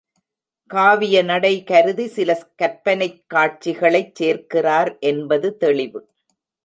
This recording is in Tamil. காவியநடை கருதி சில கற்பனைக் காட்சிகளைச் சேர்க்கிறார் என்பது தெளிவு.